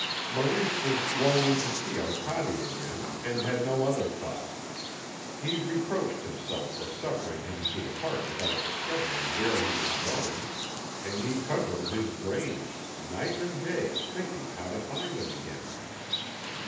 Maurice was longing to see Arcade again and had no other thought. He reproached himself for suffering him to depart without discovering where he was going, and he cudgelled his brains night and day thinking how to find him again.